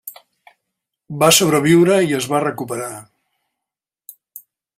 Va sobreviure i es va recuperar.